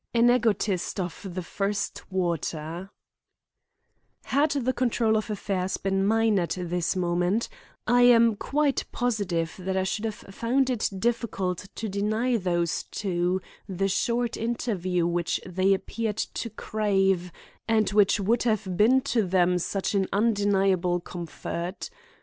XVI. AN EGOTIST OF THE FIRST WATER Had the control of affairs been mine at this moment I am quite positive that I should have found it difficult to deny these two the short interview which they appeared to crave and which would have been to them such an undeniable comfort.